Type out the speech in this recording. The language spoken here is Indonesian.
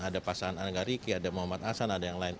ada pasangan angga riki ada muhammad asan ada yang lain